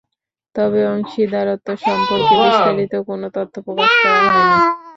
তবে অংশীদারত্ব সম্পর্কে বিস্তারিত কোনো তথ্য প্রকাশ করা হয়নি।